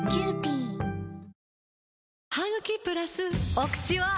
お口は！